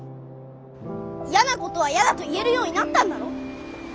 やなことはやだと言えるようになったんだろ？